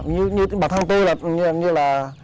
như bản thân tôi là